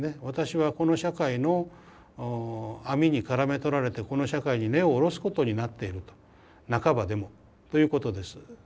私はこの社会の網にからめとられてこの社会に根を下ろすことになっていると半ばでもということです。